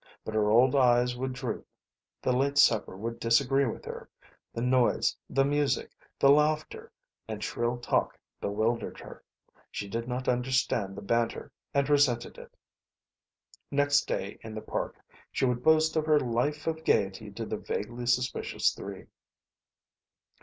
But her old eyes would droop; the late supper would disagree with her; the noise, the music, the laughter, and shrill talk bewildered her. She did not understand the banter, and resented it. Next day, in the park, she would boast of her life of gayety to the vaguely suspicious three.